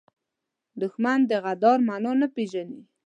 دښمن د عذر معنا نه پېژني